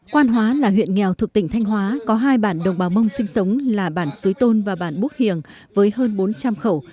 quan hóa là huyện nghèo thuộc tỉnh thanh hóa có hai bản đồng bào mông sinh sống là bản xuối tôn và bản búc hiềng với hơn bốn trăm linh khẩu